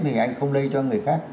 thì anh không lây cho người khác